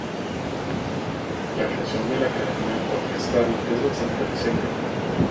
La creación de la Academia Orquestal es bastante reciente.